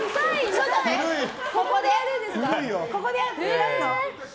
ここでやるの？